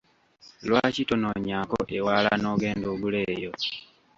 Lwaki tonoonyaako ewalala n’ogenda ogula eyo?